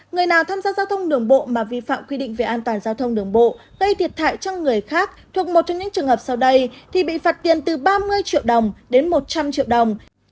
người nào tham gia giao thông đường bộ mà vi phạm quy định về an toàn giao thông đường bộ gây thiệt hại cho người khác thuộc một trong những trường hợp sau đây thì bị phạt tiền từ ba mươi triệu đồng đến một trăm linh triệu đồng